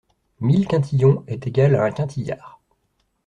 Mille quintillions est égal à un quintilliard.